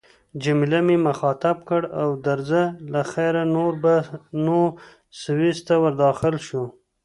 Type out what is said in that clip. جميله مې مخاطب کړ: درځه له خیره، نور به نو سویس ته ورداخل شو.